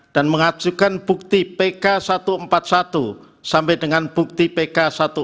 dan mengajukan bukti pk satu ratus empat puluh satu sampai dengan bukti pk satu ratus empat puluh enam